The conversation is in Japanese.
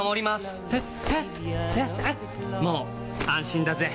もう安心だぜ！